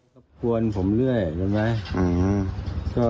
กลับกวนผมเรื่อยเดินไหมอืม